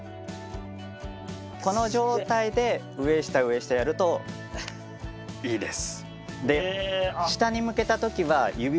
この状態で上下上下やるといいです。